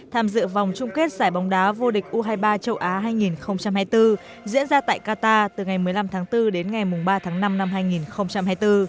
tham dự vòng chung kết giải bóng đá vô địch u hai mươi ba châu á hai nghìn hai mươi bốn diễn ra tại qatar từ ngày một mươi năm tháng bốn đến ngày ba tháng năm năm hai nghìn hai mươi bốn